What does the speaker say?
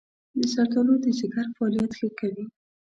زردآلو د ځيګر فعالیت ښه کوي.